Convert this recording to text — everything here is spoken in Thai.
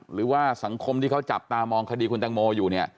หรือว่าสังคมที่เขาจับตามองคดีคุณตังโมอยู่เนี่ย